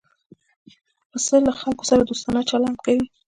پسه له خلکو سره دوستانه چلند کوي.